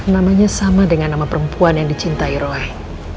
namanya sama dengan nama perempuan yang dicintai roh